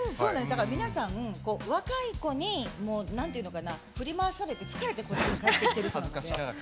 皆さん、若い子になんていうのかな振り回されて疲れてこっちへ帰ってきてる子たちなので。